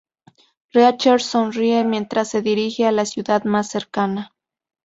Reacher sonríe mientras se dirige a la ciudad más cercana.